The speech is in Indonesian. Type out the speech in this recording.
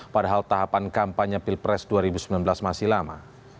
padahal tahapan kampanye pilpres dua ribu sembilan belas masih lama